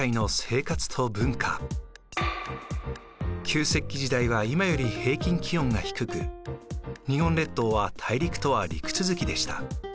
旧石器時代は今より平均気温が低く日本列島は大陸とは陸続きでした。